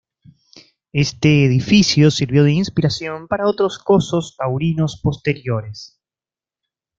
Este edificio sirvió de inspiración para otros cosos taurinos posteriores.